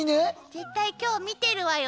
絶対今日見てるわよ